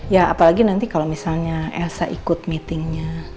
ya apalagi nanti kalau misalnya elsa ikut meetingnya